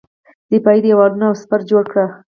دفاعي دېوالونه او سپر جوړ کړي.